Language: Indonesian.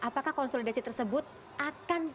apakah konsolidasi tersebut akan